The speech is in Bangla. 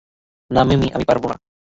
না, মিমি, আমি পারবো না।